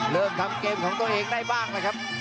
เริ่มทำเกมของตัวเองได้บ้างนะครับ